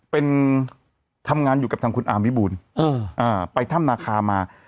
เป็นทำงานอยู่กับทางคุณอามิบูลไปถ้ำนาคามา